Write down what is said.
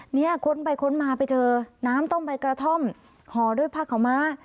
ค้นไปค้นมาไปเจอน้ำต้มใบกระท่อมห่อด้วยผ้าขาวม้า